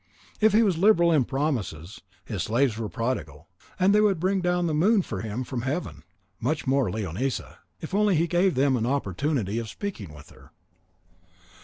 If he was liberal in promises, his slaves were prodigal; they would bring down the moon to him from Heaven, much more Leonisa, if only he gave them an opportunity of speaking with her.